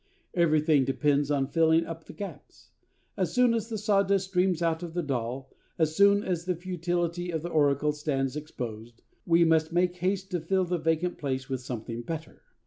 Everything depends on filling up the gaps. As soon as the sawdust streams out of the doll, as soon as the futility of the oracle stands exposed, we must make haste to fill the vacant place with something better.